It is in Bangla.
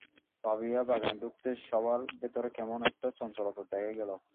ফাবিহা বাগানে ঢুকতেই সবার ভেতরে কেমন একটা চঞ্চলতা দেখা গেল।